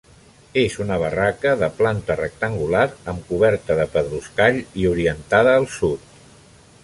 És una barraca de planta rectangular, amb coberta de pedruscall i orientada al sud.